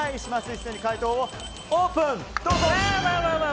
一斉に回答をオープン。